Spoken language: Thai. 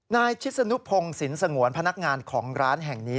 นายชิศนุพงศิลปงวนพนักงานของร้านแห่งนี้